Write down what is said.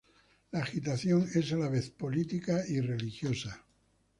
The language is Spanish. La agitación es a la vez política y religiosa.